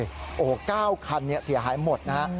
โอ้โห๙คันเสียหายหมดนะฮะ